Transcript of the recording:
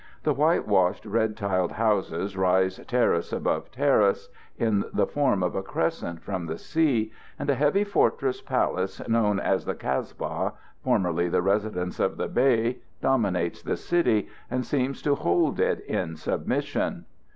The whitewashed, red tiled houses rise terrace above terrace, in the form of a crescent from the sea, and a heavy fortress palace known as the "Kasba," formerly the residence of the Bey, dominates the city and seems to hold it in submission.